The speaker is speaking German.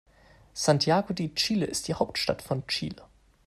Santiago de Chile ist die Hauptstadt von Chile.